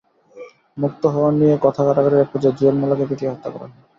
মুক্ত হওয়া নিয়ে কথা-কাটাকাটির একপর্যায়ে জুয়েল মোল্লাকে পিটিয়ে হত্যা করা হয়।